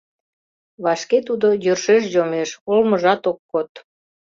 Вашке тудо йӧршеш йомеш, олмыжат ок код.